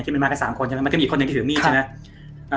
ที่มันมาก็๓คนมันก็มีอีกคนหนึ่งที่ถือมีใช่ไหม